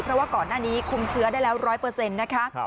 เพราะว่าก่อนหน้านี้คุมเชื้อได้แล้ว๑๐๐นะคะ